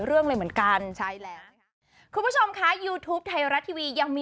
เดี๋ยวขอดูบทก่อน